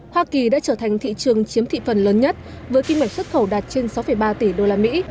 hoa kỳ đã trở thành thị trường chiếm thị phần lớn nhất với kim ngạch xuất khẩu đạt trên sáu ba tỷ đô la mỹ